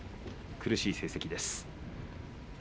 苦しい成績です。